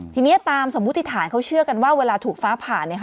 ทีนี้ตามสมมุติฐานเขาเชื่อกันว่าเวลาถูกฟ้าผ่าน